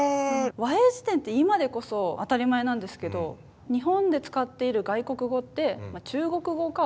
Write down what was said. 和英辞典って今でこそ当たり前なんですけど日本で使っている外国語って中国語かオランダ語だったんですよね。